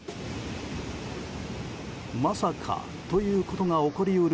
まさか、ということが起こり得る